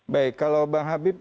baik kalau bang habib